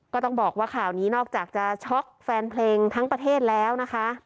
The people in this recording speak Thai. ก็ต้องบอกว่าข่าวนี้นอกจากจะช็อกแฟนเพลงทั้งประเทศแล้วนะคะ